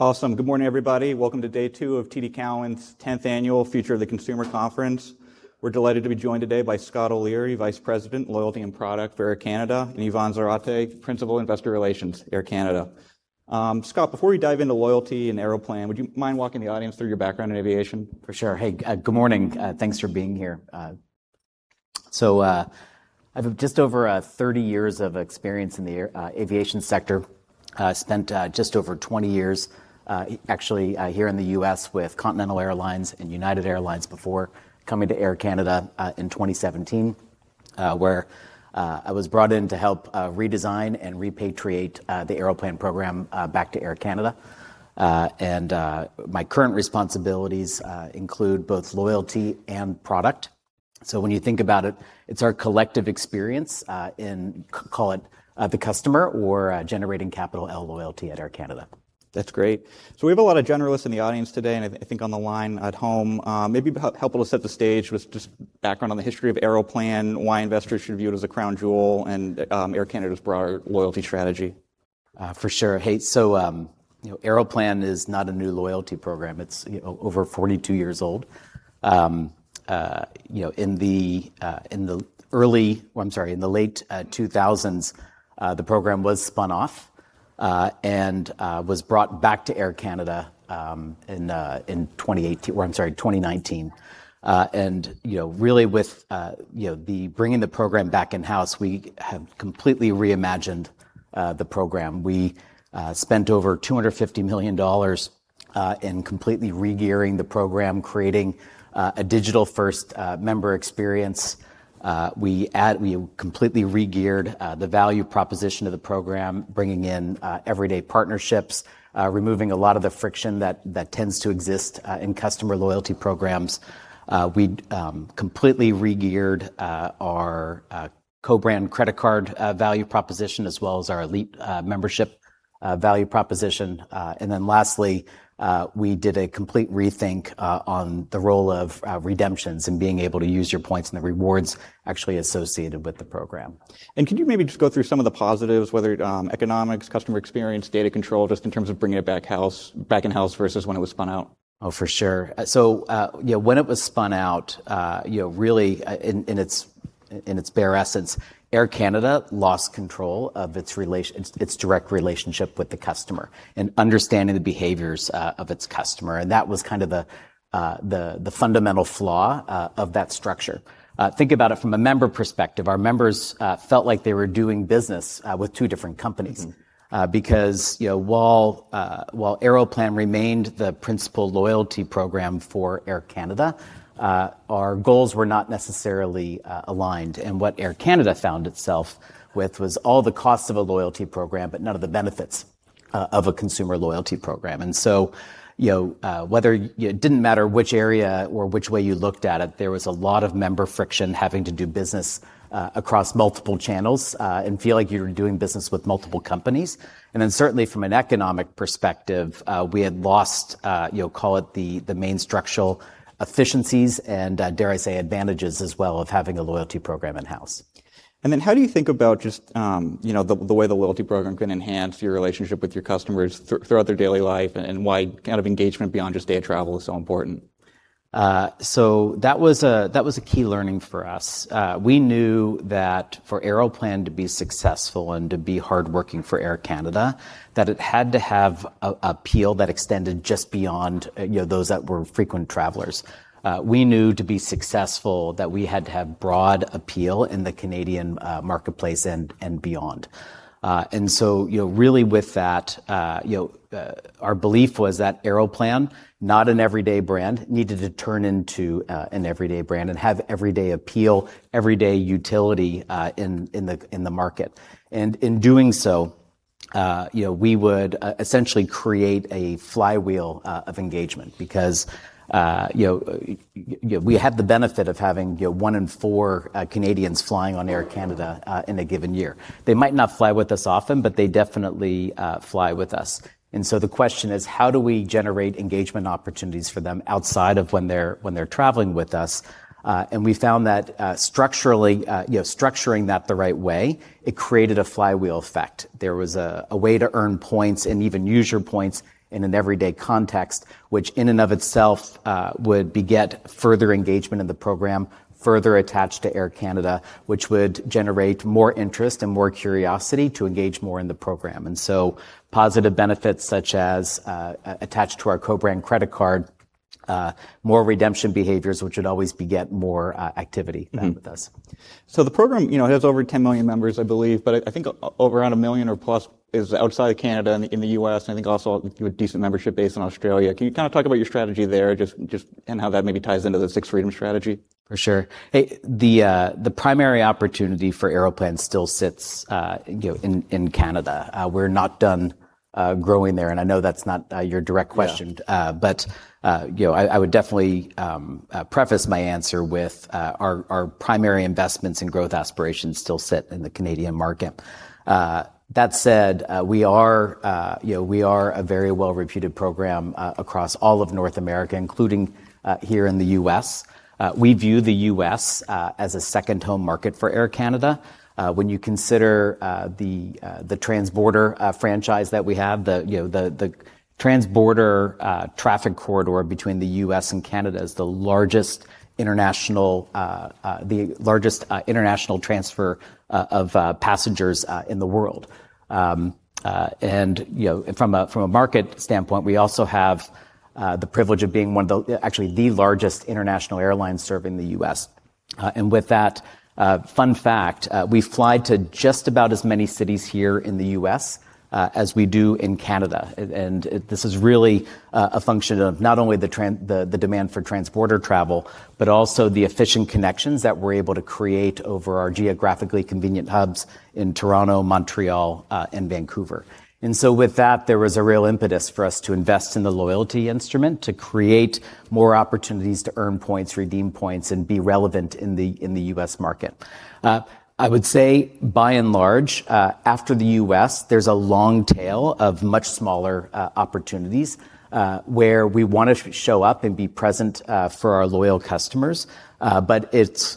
Awesome. Good morning, everybody. Welcome to day two of TD Cowen's 10th Annual Future of the Consumer Conference. We're delighted to be joined today by Scott O'Leary, Vice President, Loyalty and Product for Air Canada, and Ivan Zarate, Principal Investor Relations, Air Canada. Scott, before we dive into loyalty and Aeroplan, would you mind walking the audience through your background in aviation? For sure. Hey, good morning. Thanks for being here. I have just over 30 years of experience in the aviation sector. Spent just over 20 years, actually, here in the U.S. with Continental Airlines and United Airlines before coming to Air Canada in 2017, where I was brought in to help redesign and repatriate the Aeroplan program back to Air Canada. My current responsibilities include both loyalty and product. When you think about it's our collective experience in, call it, the customer, or generating Capital L Loyalty at Air Canada. That's great. We have a lot of generalists in the audience today, and I think on the line at home. It would be helpful to set the stage with just background on the history of Aeroplan, why investors should view it as a crown jewel, and Air Canada's broader loyalty strategy. For sure. Aeroplan is not a new loyalty program. It's over 42 years old. In the late 2000s, the program was spun off and was brought back to Air Canada in 2019. Really with bringing the program back in-house, we have completely reimagined the program. We spent over 250 million dollars in completely regearing the program, creating a digital-first member experience. We completely regeared the value proposition of the program, bringing in everyday partnerships, removing a lot of the friction that tends to exist in customer loyalty programs. We completely regeared our co-brand credit card value proposition, as well as our elite membership value proposition. Lastly, we did a complete rethink on the role of redemptions and being able to use your points and the rewards actually associated with the program. Could you maybe just go through some of the positives, whether economics, customer experience, data control, just in terms of bringing it back in-house versus when it was spun out? Oh, for sure. When it was spun out, really in its bare essence, Air Canada lost control of its direct relationship with the customer and understanding the behaviors of its customer, and that was the fundamental flaw of that structure. Think about it from a member perspective. Our members felt like they were doing business with two different companies. Because while Aeroplan remained the principal loyalty program for Air Canada, our goals were not necessarily aligned. What Air Canada found itself with was all the costs of a loyalty program, but none of the benefits of a consumer loyalty program. It didn't matter which area or which way you looked at it, there was a lot of member friction having to do business across multiple channels and feel like you were doing business with multiple companies. Certainly from an economic perspective, we had lost, call it, the main structural efficiencies and, dare I say, advantages as well of having a loyalty program in-house. How do you think about just the way the loyalty program can enhance your relationship with your customers throughout their daily life, and why engagement beyond just day of travel is so important? That was a key learning for us. We knew that for Aeroplan to be successful and to be hardworking for Air Canada, that it had to have appeal that extended just beyond those that were frequent travelers. We knew to be successful that we had to have broad appeal in the Canadian marketplace and beyond. Really with that, our belief was that Aeroplan, not an everyday brand, needed to turn into an everyday brand and have everyday appeal, everyday utility in the market. In doing so, we would essentially create a flywheel of engagement because we have the benefit of having one in four Canadians flying on Air Canada in a given year. They might not fly with us often, but they definitely fly with us. The question is, how do we generate engagement opportunities for them outside of when they're traveling with us? We found that structuring that the right way, it created a flywheel effect. There was a way to earn points and even use your points in an everyday context, which in and of itself would beget further engagement in the program, further attached to Air Canada, which would generate more interest and more curiosity to engage more in the program. Positive benefits such as attached to our co-brand credit card, more redemption behaviors, which would always beget more activity back with us. The program has over 10 million members, I believe, but I think around 1 million+ is outside of Canada in the U.S., and I think also a decent membership base in Australia. Can you talk about your strategy there, and how that maybe ties into the Sixth Freedom strategy? For sure. Hey, the primary opportunity for Aeroplan still sits in Canada. We're not done growing there. I know that's not your direct question. Yeah. I would definitely preface my answer with our primary investments and growth aspirations still set in the Canadian market. That said, we are a very well-reputed program across all of North America, including here in the U.S. We view the U.S. as a second home market for Air Canada. When you consider the transborder franchise that we have, the transborder traffic corridor between the U.S. and Canada is the largest international transfer of passengers in the world. From a market standpoint, we also have the privilege of being one of the, actually the largest international airlines serving the U.S. With that fun fact, we fly to just about as many cities here in the U.S. as we do in Canada, and this is really a function of not only the demand for transborder travel, but also the efficient connections that we're able to create over our geographically convenient hubs in Toronto, Montreal, and Vancouver. With that, there was a real impetus for us to invest in the loyalty instrument, to create more opportunities to earn points, redeem points, and be relevant in the U.S. market. I would say by and large, after the U.S., there's a long tail of much smaller opportunities where we want to show up and be present for our loyal customers. It's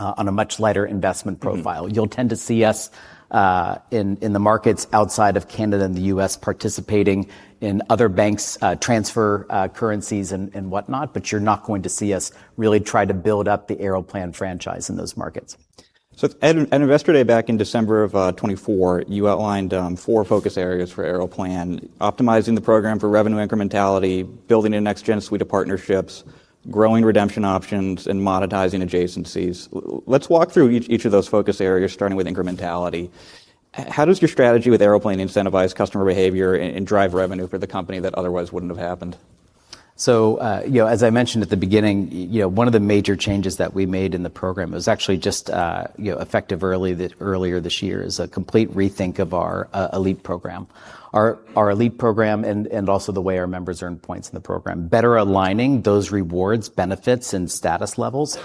on a much lighter investment profile. You'll tend to see us in the markets outside of Canada and the U.S. participating in other banks' transfer currencies and whatnot, but you're not going to see us really try to build up the Aeroplan franchise in those markets. At Investor Day back in December of 2024, you outlined four focus areas for Aeroplan: optimizing the program for revenue incrementality, building a next-gen suite of partnerships, growing redemption options, and monetizing adjacencies. Let's walk through each of those focus areas, starting with incrementality. How does your strategy with Aeroplan incentivize customer behavior and drive revenue for the company that otherwise wouldn't have happened? As I mentioned at the beginning, one of the major changes that we made in the program is actually just effective earlier this year, is a complete rethink of our elite program. Our elite program and also the way our members earn points in the program, better aligning those rewards, benefits, and status levels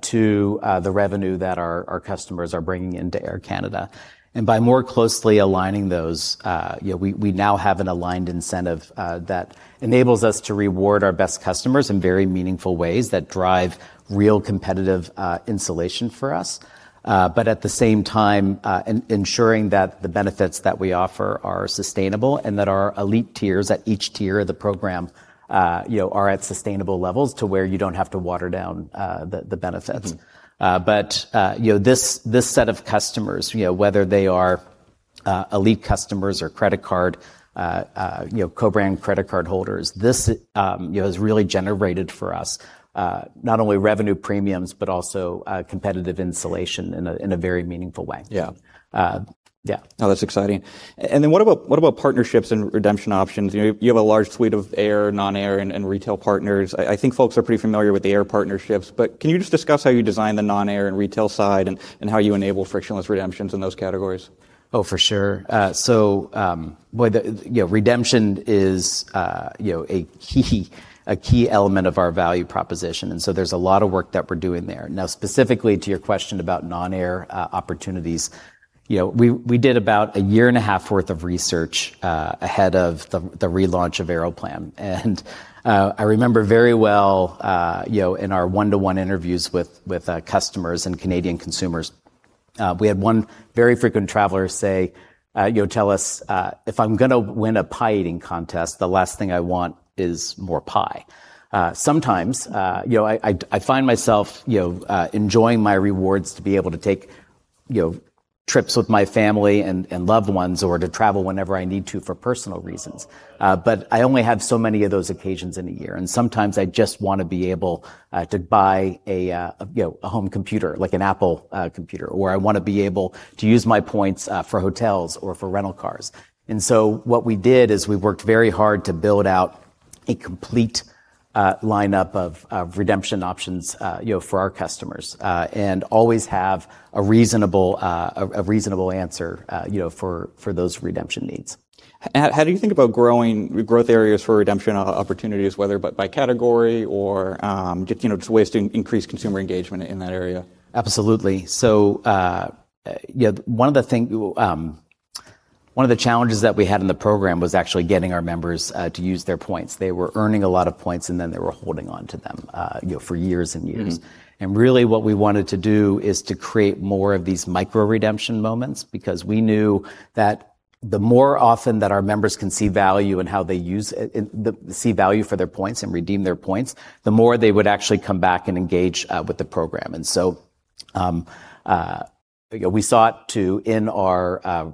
to the revenue that our customers are bringing into Air Canada. By more closely aligning those, we now have an aligned incentive that enables us to reward our best customers in very meaningful ways that drive real competitive insulation for us. At the same time, ensuring that the benefits that we offer are sustainable, and that our elite tiers, at each tier of the program, are at sustainable levels to where you don't have to water down the benefits. This set of customers, whether they are elite customers or credit card, co-brand credit card holders, this has really generated for us, not only revenue premiums, but also competitive insulation in a very meaningful way. Yeah. Yeah. No, that's exciting. What about partnerships and redemption options? You have a large suite of air, non-air, and retail partners. I think folks are pretty familiar with the air partnerships. Can you just discuss how you design the non-air and retail side, and how you enable frictionless redemptions in those categories? Oh, for sure. Redemption is a key element of our value proposition, there's a lot of work that we're doing there. Specifically to your question about non-air opportunities, we did about a year and a half worth of research ahead of the relaunch of Aeroplan. I remember very well, in our one-to-one interviews with customers and Canadian consumers, we had one very frequent traveler tell us, "If I'm going to win a pie eating contest, the last thing I want is more pie." Sometimes, I find myself enjoying my rewards to be able to take trips with my family and loved ones, or to travel whenever I need to for personal reasons. I only have so many of those occasions in a year, and sometimes I just want to be able to buy a home computer, like an Apple computer. I want to be able to use my points for hotels or for rental cars. What we did is we worked very hard to build out a complete lineup of redemption options for our customers. Always have a reasonable answer for those redemption needs. How do you think about growth areas for redemption opportunities, whether by category or just ways to increase consumer engagement in that area? Absolutely. One of the challenges that we had in the Aeroplan program was actually getting our members to use their points. They were earning a lot of points, and then they were holding onto them for years and years. Really what we wanted to do is to create more of these micro-redemption moments, because we knew that the more often that our members can see value for their points and redeem their points, the more they would actually come back and engage with the program. We sought to,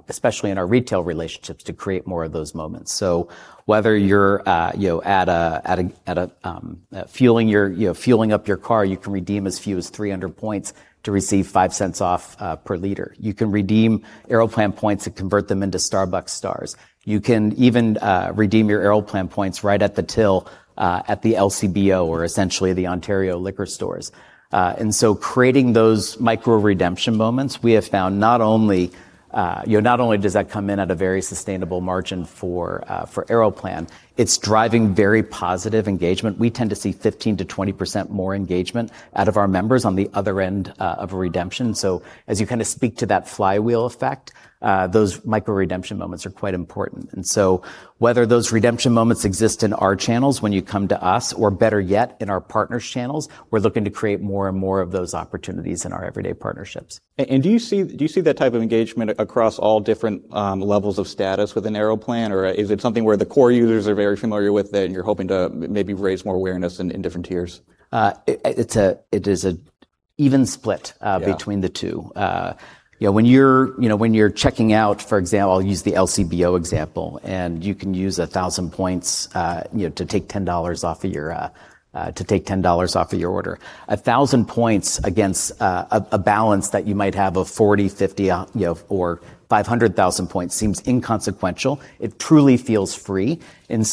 especially in our retail relationships, to create more of those moments. Whether you're fueling up your car, you can redeem as few as 300 points to receive 0.05 off per liter. You can redeem Aeroplan points and convert them into Starbucks Stars. You can even redeem your Aeroplan points right at the till at the LCBO or essentially the Ontario liquor stores. Creating those micro-redemption moments, we have found not only does that come in at a very sustainable margin for Aeroplan, it's driving very positive engagement. We tend to see 15%-20% more engagement out of our members on the other end of a redemption. As you speak to that flywheel effect, those micro-redemption moments are quite important. Whether those redemption moments exist in our channels when you come to us, or better yet, in our partners' channels, we're looking to create more and more of those opportunities in our everyday partnerships. Do you see that type of engagement across all different levels of status within Aeroplan, or is it something where the core users are very familiar with it, and you're hoping to maybe raise more awareness in different tiers? It is an even split. Yeah between the two. When you're checking out, for example, I'll use the LCBO example, and you can use 1,000 points to take 10 dollars off of your order. 1,000 points against a balance that you might have of 40, 50, or 500,000 points seems inconsequential. It truly feels free.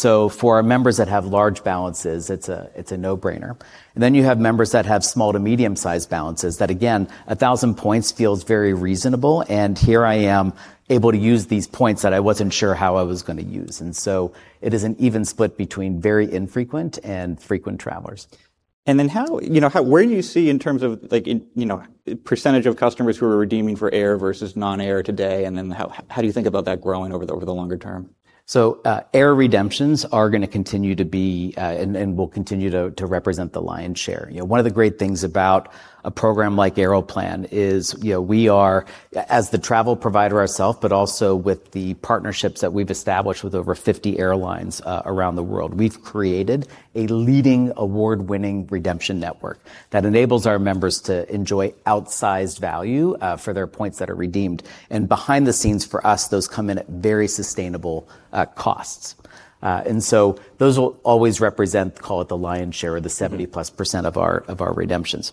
For our members that have large balances, it's a no-brainer. You have members that have small to medium-sized balances that, again, 1,000 points feels very reasonable, and here I am able to use these points that I wasn't sure how I was going to use. It is an even split between very infrequent and frequent travelers. Where do you see in terms of percentage of customers who are redeeming for air versus non-air today, and then how do you think about that growing over the longer term? Air redemptions are going to continue to be, and will continue to represent the lion's share. One of the great things about a program like Aeroplan is we are, as the travel provider ourself, but also with the partnerships that we've established with over 50 airlines around the world, we've created a leading award-winning redemption network that enables our members to enjoy outsized value for their points that are redeemed. Behind the scenes for us, those come in at very sustainable costs. Those will always represent, call it the lion's share of the 70+% of our redemptions.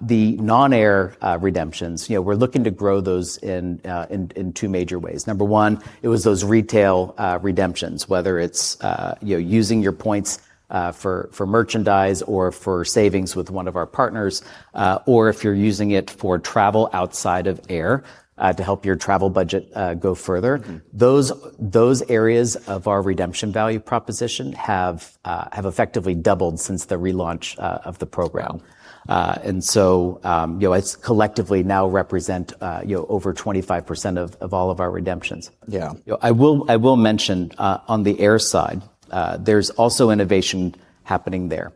The non-air redemptions, we're looking to grow those in two major ways. Number one, it was those retail redemptions. Whether it's using your points for merchandise or for savings with one of our partners, or if you're using it for travel outside of air to help your travel budget go further. Those areas of our redemption value proposition have effectively doubled since the relaunch of the program. It collectively now represent over 25% of all of our redemptions. Yeah. I will mention on the air side, there's also innovation happening there.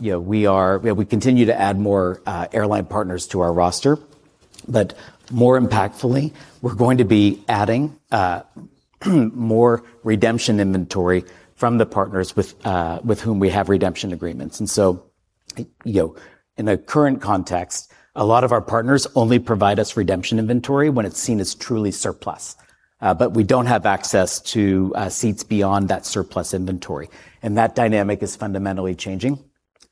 We continue to add more airline partners to our roster. More impactfully, we're going to be adding more redemption inventory from the partners with whom we have redemption agreements. In the current context, a lot of our partners only provide us redemption inventory when it's seen as truly surplus. We don't have access to seats beyond that surplus inventory. That dynamic is fundamentally changing,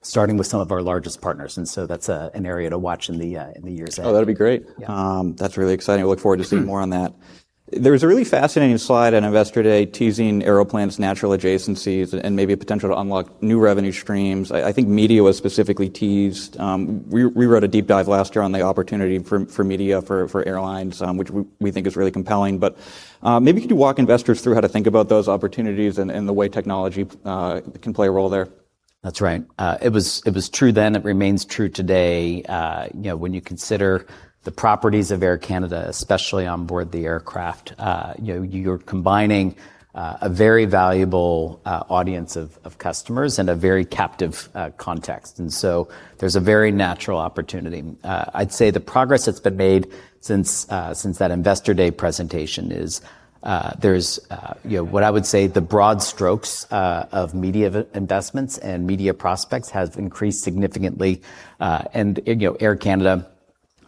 starting with some of our largest partners. That's an area to watch in the years ahead. Oh, that'll be great. Yeah. That's really exciting. I look forward to seeing more on that. There was a really fascinating slide at Investor Day teasing Aeroplan's natural adjacencies and maybe a potential to unlock new revenue streams. I think media was specifically teased. We wrote a deep dive last year on the opportunity for media for airlines, which we think is really compelling. Maybe could you walk investors through how to think about those opportunities and the way technology can play a role there? That's right. It was true then, it remains true today. When you consider the properties of Air Canada, especially on board the aircraft, you're combining a very valuable audience of customers in a very captive context. There's a very natural opportunity. I'd say the progress that's been made since that Investor Day presentation is, there's what I would say the broad strokes of media investments and media prospects has increased significantly. Air Canada,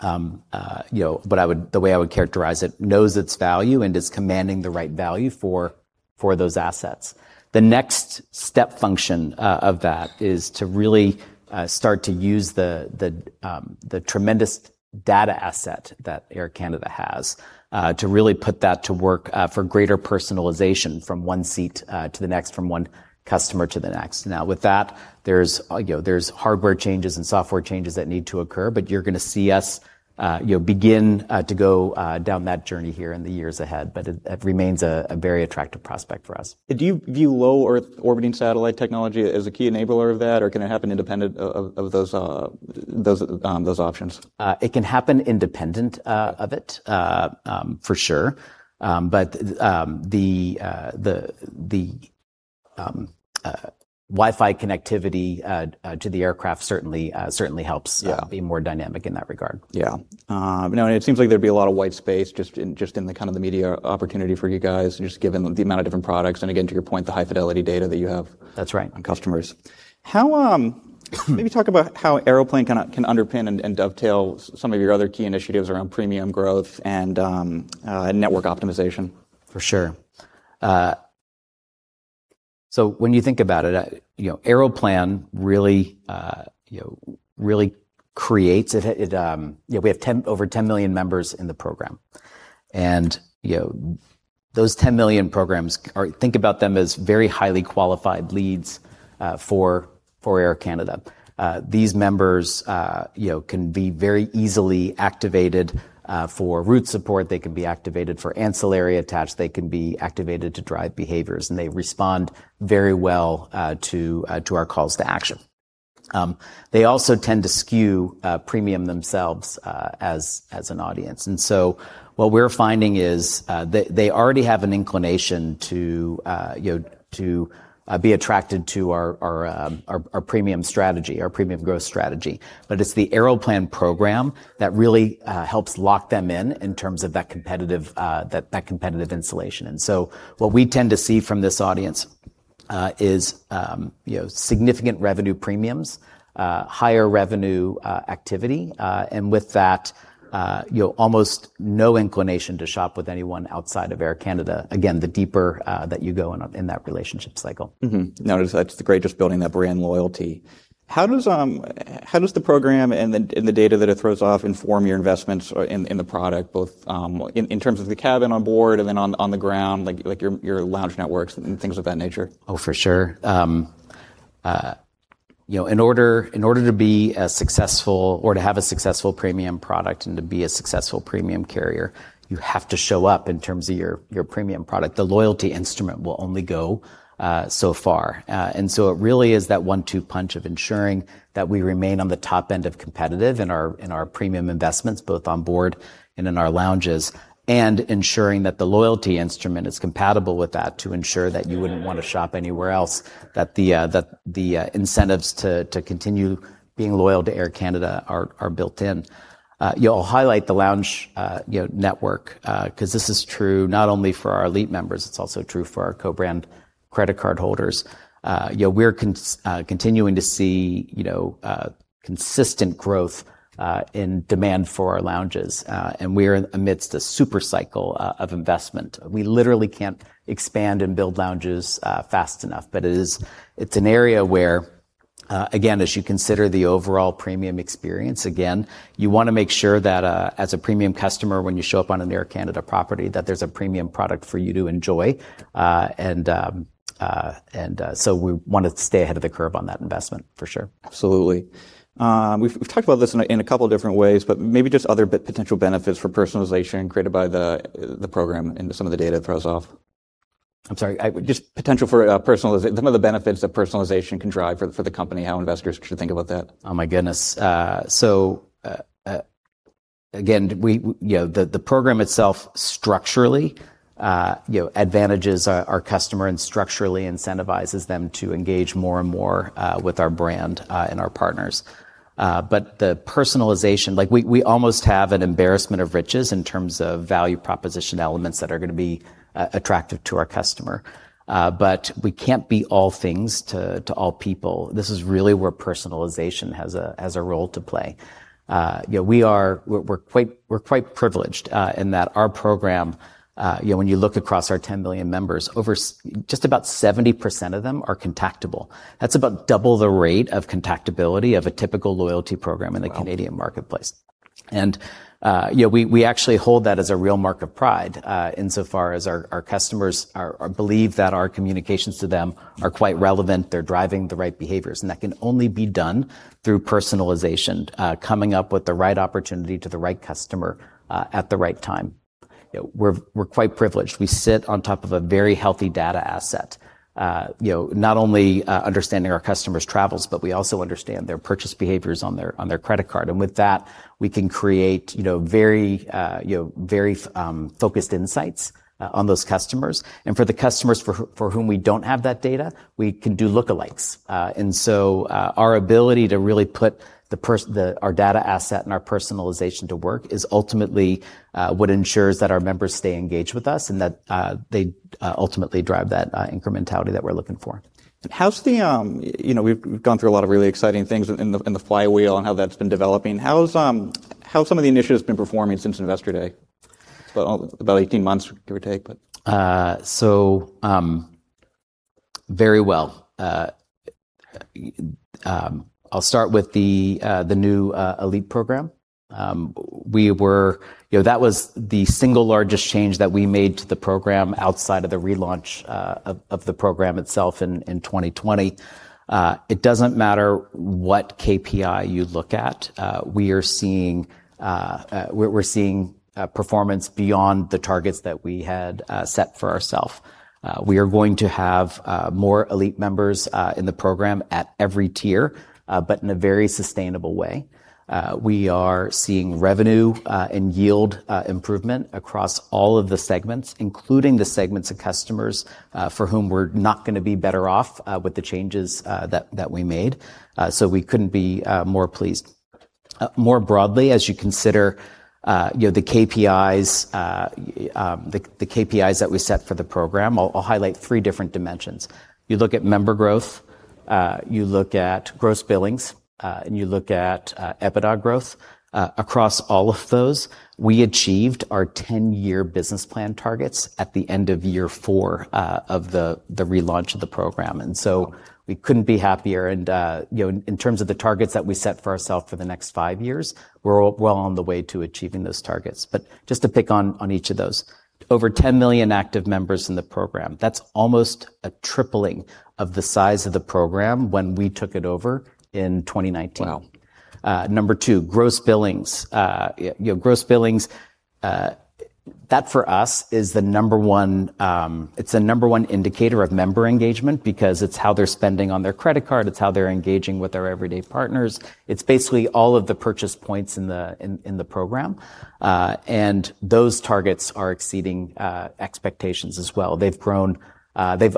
the way I would characterize it, knows its value and is commanding the right value for those assets. The next step function of that is to really start to use the tremendous data asset that Air Canada has to really put that to work for greater personalization from one seat to the next, from one customer to the next. Now, with that, there's hardware changes and software changes that need to occur, but you're going to see us begin to go down that journey here in the years ahead. It remains a very attractive prospect for us. Do you view low Earth orbiting satellite technology as a key enabler of that, or can it happen independent of those options? It can happen independent of it, for sure. The Wi-Fi connectivity to the aircraft certainly helps. Yeah be more dynamic in that regard. Yeah. It seems like there'd be a lot of white space just in the media opportunity for you guys, just given the amount of different products and again, to your point, the high fidelity data that you have. That's right. on customers. Maybe talk about how Aeroplan can underpin and dovetail some of your other key initiatives around premium growth and network optimization. For sure. When you think about it, Aeroplan really creates it. We have over 10 million members in the program, and those 10 million members, think about them as very highly qualified leads for Air Canada. These members can be very easily activated for route support, they can be activated for ancillary attach, they can be activated to drive behaviors, and they respond very well to our calls to action. They also tend to skew premium themselves as an audience. What we're finding is they already have an inclination to be attracted to our premium strategy, our premium growth strategy. It's the Aeroplan program that really helps lock them in terms of that competitive insulation. What we tend to see from this audience is significant revenue premiums, higher revenue activity, and with that, almost no inclination to shop with anyone outside of Air Canada, again, the deeper that you go in that relationship cycle. No, that's great, just building that brand loyalty. How does the program and the data that it throws off inform your investments in the product, both in terms of the cabin on board and then on the ground, like your lounge networks and things of that nature? Oh, for sure. In order to be as successful or to have a successful premium product and to be a successful premium carrier, you have to show up in terms of your premium product. The loyalty instrument will only go so far. It really is that one-two punch of ensuring that we remain on the top end of competitive in our premium investments, both on board and in our lounges, and ensuring that the loyalty instrument is compatible with that to ensure that you wouldn't want to shop anywhere else, that the incentives to continue being loyal to Air Canada are built in. I'll highlight the lounge network, because this is true not only for our elite members, it's also true for our co-brand credit card holders. We're continuing to see consistent growth in demand for our lounges. We're amidst a super cycle of investment. We literally can't expand and build lounges fast enough. It's an area where, again, as you consider the overall premium experience, again, you want to make sure that as a premium customer, when you show up on an Air Canada property, that there's a premium product for you to enjoy. We want to stay ahead of the curve on that investment, for sure. Absolutely. We've talked about this in a couple different ways, but maybe just other potential benefits for personalization created by the program and some of the data it throws off. I'm sorry... just some of the benefits that personalization can drive for the company, how investors should think about that. Oh, my goodness. Again, the program itself structurally advantages our customer and structurally incentivizes them to engage more and more with our brand and our partners. The personalization, we almost have an embarrassment of riches in terms of value proposition elements that are going to be attractive to our customer. We can't be all things to all people. This is really where personalization has a role to play. We're quite privileged in that our program, when you look across our 10 million members, just about 70% of them are contactable. That's about double the rate of contactability of a typical loyalty program in the Canadian marketplace. Wow. We actually hold that as a real mark of pride insofar as our customers believe that our communications to them are quite relevant, they're driving the right behaviors, and that can only be done through personalization, coming up with the right opportunity to the right customer at the right time. We're quite privileged. We sit on top of a very healthy data asset. Not only understanding our customers' travels, but we also understand their purchase behaviors on their co-brand credit card. With that, we can create very focused insights on those customers. For the customers for whom we don't have that data, we can do lookalikes. So our ability to really put our data asset and our personalization to work is ultimately what ensures that our members stay engaged with us, and that they ultimately drive that incrementality that we're looking for. We've gone through a lot of really exciting things in the flywheel and how that's been developing. How have some of the initiatives been performing since Investor Day? It's about 18 months, give or take. Very well. I'll start with the new elite program. That was the single largest change that we made to the program outside of the relaunch of the program itself in 2020. It doesn't matter what KPI you look at, we're seeing performance beyond the targets that we had set for ourselves. We are going to have more elite members in the program at every tier, but in a very sustainable way. We are seeing revenue and yield improvement across all of the segments, including the segments of customers for whom we're not going to be better off with the changes that we made. We couldn't be more pleased. More broadly, as you consider the KPIs that we set for the program, I'll highlight three different dimensions. You look at member growth, you look at gross billings, and you look at EBITDA growth. Across all of those, we achieved our 10-year business plan targets at the end of year four of the relaunch of the program. We couldn't be happier. In terms of the targets that we set for ourselves for the next five years, we're well on the way to achieving those targets. Just to pick on each of those, over 10 million active members in the program. That's almost a tripling of the size of the program when we took it over in 2019. Wow. Number two, gross billings. Gross billings, that for us, it's the number one indicator of member engagement because it's how they're spending on their credit card. It's how they're engaging with our everyday partners. It's basically all of the purchase points in the program. Those targets are exceeding expectations as well. They've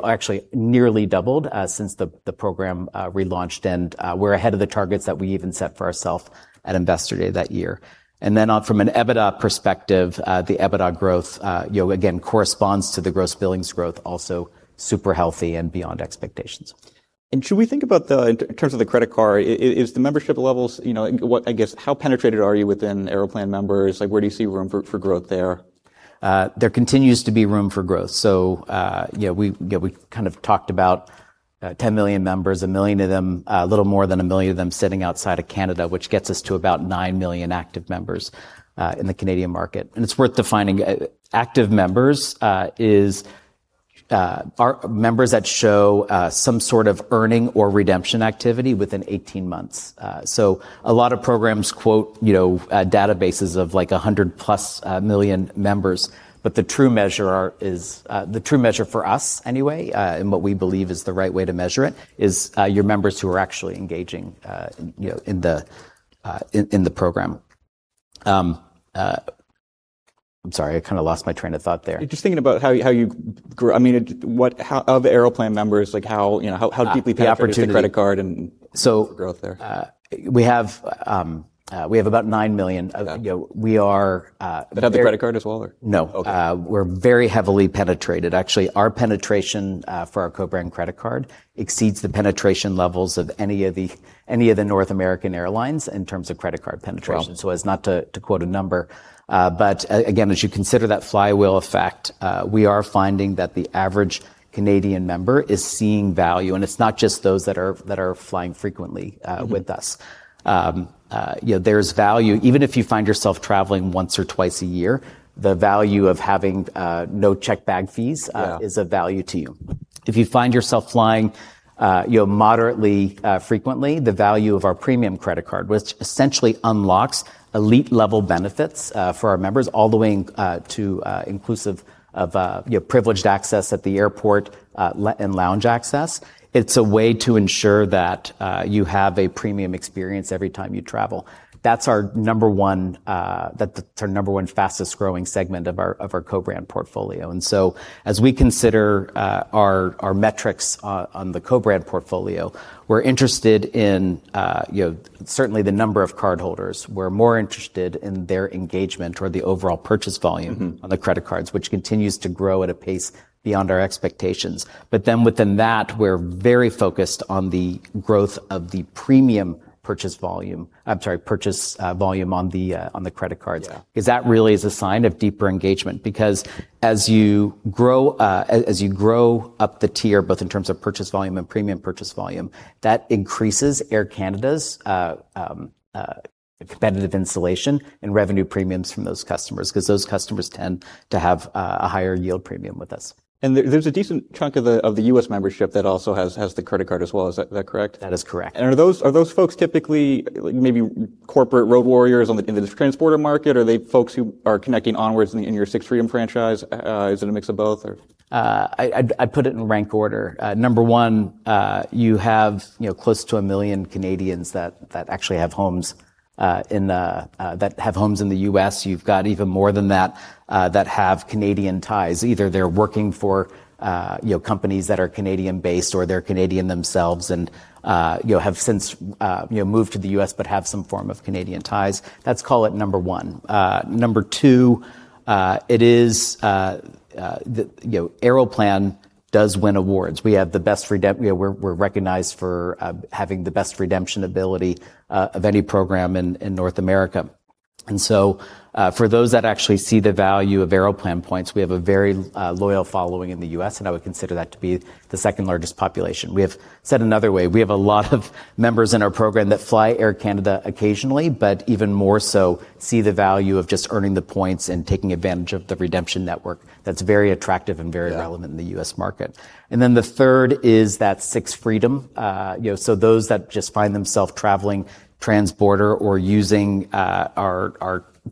actually nearly doubled since the program relaunched. We're ahead of the targets that we even set for ourselves at Investor Day that year. From an EBITDA perspective, the EBITDA growth, again, corresponds to the gross billings growth, also super healthy and beyond expectations. Should we think about in terms of the credit card, I guess, how penetrated are you within Aeroplan members? Where do you see room for growth there? There continues to be room for growth. We kind of talked about 10 million members, a little more than 1 million of them sitting outside of Canada, which gets us to about 9 million active members in the Canadian market. It's worth defining. Active members is our members that show some sort of earning or redemption activity within 18 months. A lot of programs quote databases of 100+ million members. The true measure for us anyway, and what we believe is the right way to measure it, is your members who are actually engaging in the program. I'm sorry, I kind of lost my train of thought there. Just thinking about of Aeroplan members, how deeply penetrated- Opportunities is the credit card, and for growth there? We have about 9 million. Yeah. We are- That have the credit card as well? No. Okay. We're very heavily penetrated. Actually, our penetration for our co-brand credit card exceeds the penetration levels of any of the North American airlines in terms of credit card penetration. Wow. As not to quote a number. Again, as you consider that flywheel effect, we are finding that the average Canadian member is seeing value. It's not just those that are flying frequently with us. There's value even if you find yourself traveling once or twice a year. The value of having no checked bag fees. Yeah is of value to you. If you find yourself flying moderately frequently, the value of our premium credit card, which essentially unlocks elite level benefits for our members, all the way to inclusive of privileged access at the airport, and lounge access. It's a way to ensure that you have a premium experience every time you travel. That's our number one fastest-growing segment of our co-brand portfolio. As we consider our metrics on the co-brand portfolio, we're interested in certainly the number of cardholders. We're more interested in their engagement or the overall purchase volume on the credit cards, which continues to grow at a pace beyond our expectations. Within that, we're very focused on the growth of the premium purchase volume. I'm sorry, purchase volume on the credit cards. Yeah. That really is a sign of deeper engagement. As you grow up the tier, both in terms of purchase volume and premium purchase volume, that increases Air Canada's competitive insulation and revenue premiums from those customers because those customers tend to have a higher yield premium with us. There's a decent chunk of the U.S. membership that also has the credit card as well. Is that correct? That is correct. Are those folks typically maybe corporate road warriors in the transborder market? Are they folks who are connecting onwards in your Sixth Freedom franchise? Is it a mix of both? I'd put it in rank order. Number one, you have close to 1 million Canadians that have homes in the U.S. You've got even more than that have Canadian ties. Either they're working for companies that are Canadian based, or they're Canadian themselves and have since moved to the U.S. but have some form of Canadian ties. Let's call it number one. Number two, Aeroplan does win awards. We're recognized for having the best redemption ability of any program in North America. For those that actually see the value of Aeroplan points, we have a very loyal following in the U.S., and I would consider that to be the second largest population. Said another way, we have a lot of members in our program that fly Air Canada occasionally, but even more so see the value of just earning the points and taking advantage of the redemption network. That's very attractive and very relevant. Yeah in the U.S. market. Then the third is that Sixth Freedom. Those that just find themself traveling transborder or using our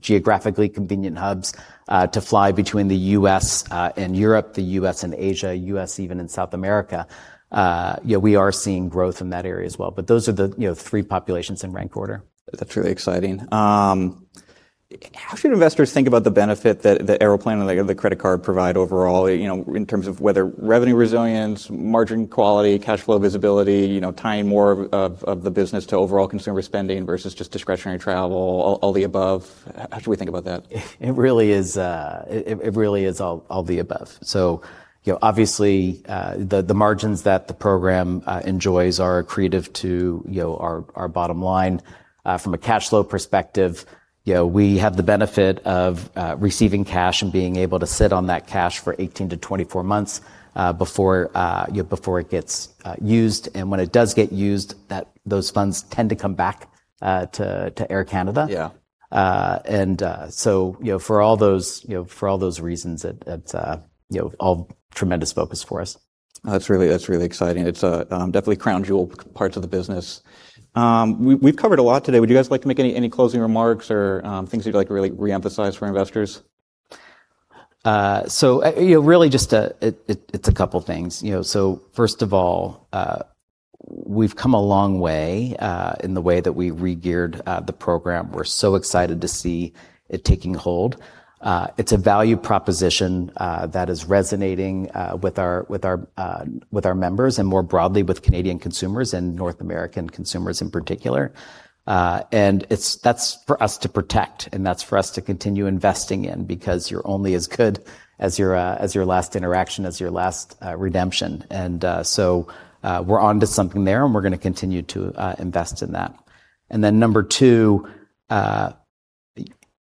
geographically convenient hubs to fly between the U.S. and Europe, the U.S. and Asia, U.S. even and South America. We are seeing growth in that area as well. Those are the three populations in rank order. That's really exciting. How should investors think about the benefit that Aeroplan and the credit card provide overall, in terms of whether revenue resilience, margin quality, cash flow visibility, tying more of the business to overall consumer spending versus just discretionary travel, all the above? How should we think about that? It really is all the above. Obviously, the margins that the program enjoys are accretive to our bottom line. From a cash flow perspective, we have the benefit of receiving cash and being able to sit on that cash for 18-24 months before it gets used. When it does get used, those funds tend to come back to Air Canada. Yeah. For all those reasons, it's all tremendous focus for us. That's really exciting. It's definitely crown jewel parts of the business. We've covered a lot today. Would you guys like to make any closing remarks or things you'd like to really re-emphasize for investors? Really just, it's a couple things. First of all, we've come a long way in the way that we regeared the program. We're so excited to see it taking hold. It's a value proposition that is resonating with our members and more broadly with Canadian consumers and North American consumers in particular. That's for us to protect and that's for us to continue investing in because you're only as good as your last interaction, as your last redemption. We're onto something there, and we're going to continue to invest in that. Number two,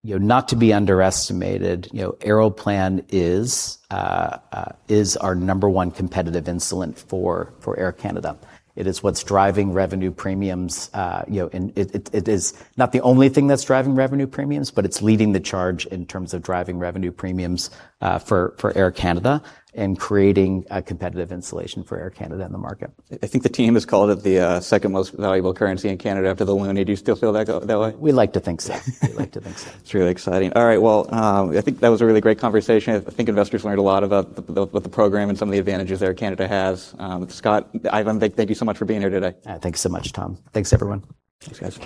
not to be underestimated, Aeroplan is our number one competitive insulation for Air Canada. It is what's driving revenue premiums, it is not the only thing that's driving revenue premiums, but it's leading the charge in terms of driving revenue premiums for Air Canada and creating a competitive insulation for Air Canada in the market. I think the team has called it the second most valuable currency in Canada after the loonie. Do you still feel that way? We like to think so. It's really exciting. All right, well, I think that was a really great conversation. I think investors learned a lot about the program and some of the advantages Air Canada has. Scott, Ivan, thank you so much for being here today. Thanks so much, Tom. Thanks everyone. Thanks, guys.